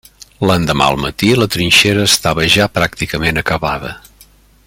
L'endemà al matí la trinxera estava ja pràcticament acabada.